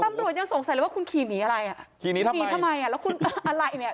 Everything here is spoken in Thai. ตำรวจยังสงสัยเลยว่าคุณขี่หนีอะไรอ่ะขี่หนีทำไมขี่ทำไมอ่ะแล้วคุณอะไรเนี่ย